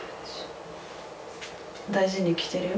大事に着てるよ。